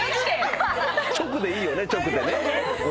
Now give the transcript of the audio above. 直でいいよね直でね。